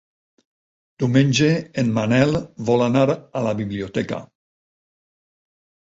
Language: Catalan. Diumenge en Manel vol anar a la biblioteca.